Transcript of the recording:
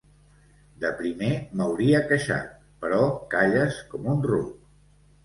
De primer m’hauria queixat, però calles com un ruc.